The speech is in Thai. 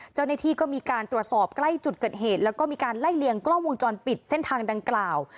เจ้าหน้าที่ก็มีการตรวจสอบใกล้จุดเกิดเหตุแล้วก็มีการไล่เลียงกล้องวงจรปิดเส้นทางดังกล่าว